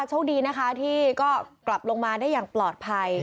โชคดีนะคะที่ก็กลับลงมาได้อย่างปลอดภัย